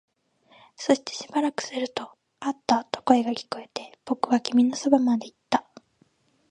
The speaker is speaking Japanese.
そしてしばらくすると、あったと声が聞こえて、僕は君のそばまで行った